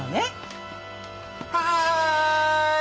はい！